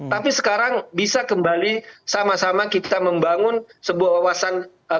tapi sekarang bisa kembali sama sama kita membangun sebuah wawasan